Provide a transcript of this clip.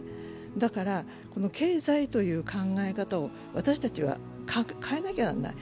だから経済という考え方を私たちは変えなきゃならない。